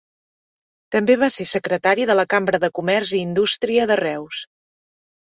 També va ser secretari de la Cambra de Comerç i Indústria de Reus.